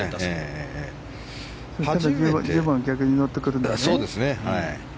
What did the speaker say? １０番が逆に乗ってくるからね。